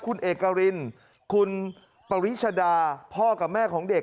คุณเอกรินคุณปริชดาพ่อกับแม่ของเด็ก